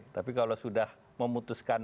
tapi kalau sudah memutuskan